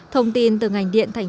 thông tin từ ngành điện tp đà nẵng